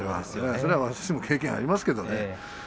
それは私も経験がありますけどね。